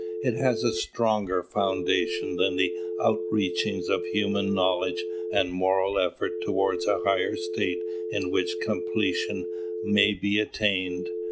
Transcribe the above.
It has a stronger foundation than the outreachings of human knowledge and moral effort towards a higher state in which completion may be attained.